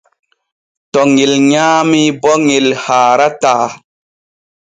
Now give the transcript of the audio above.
To ŋel nyaami bo ŋel haarataa.